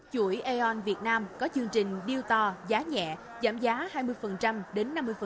chuỗi aeon việt nam có chương trình deal to giá nhẹ giảm giá hai mươi đến năm mươi